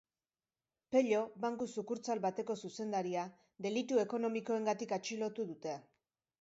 Pello, banku sukurtsal bateko zuzendaria, delitu ekonomikoengatik atxilotu dute.